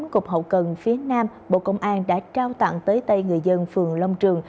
cục hậu cần phía nam bộ công an đã trao tặng tới tây người dân phường long trường